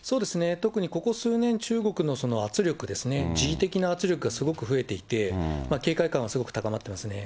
特にここ数年、中国の圧力ですね、軍事的な圧力がすごく増えていて、警戒感はすごく高まっていますね。